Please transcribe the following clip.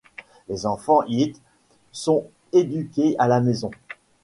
Les enfants Yeats sont éduqués à la maison.